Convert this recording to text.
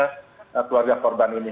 keluarga korban ini